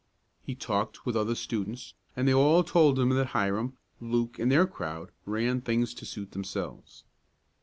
He talked with other students, and they all told him that Hiram, Luke and their crowd ran things to suit themselves.